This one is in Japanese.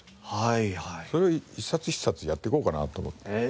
それを一冊一冊やっていこうかなと思って。